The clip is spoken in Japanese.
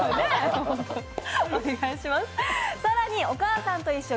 更に「おかあさんといっしょ」